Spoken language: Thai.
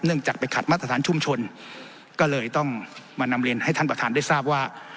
จากไปขัดมาตรฐานชุมชนก็เลยต้องมานำเรียนให้ท่านประธานได้ทราบว่า